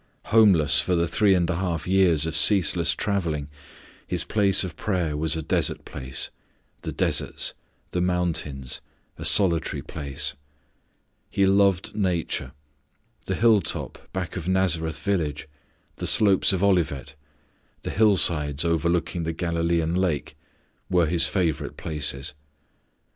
Homeless for the three and a half years of ceaseless travelling, His place of prayer was a desert place, "the deserts," "the mountains," "a solitary place." He loved nature. The hilltop back of Nazareth village, the slopes of Olivet, the hillsides overlooking the Galilean lake, were His favourite places.